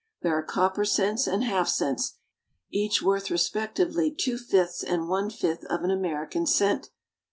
There are copper cents and half cents, each worth respectively two fifths and one fifth of an American cent.